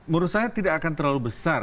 menurut saya tidak akan terlalu besar